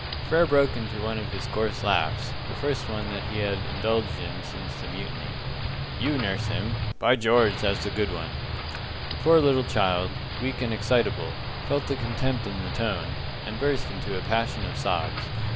Frere broke into one of his coarse laughs, the first one that he had indulged in since the mutiny. "You nurse him! By George, that's a good one!" The poor little child, weak and excitable, felt the contempt in the tone, and burst into a passion of sobs.